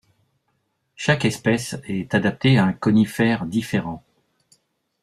Chaque espèce est adapté à un conifère différent.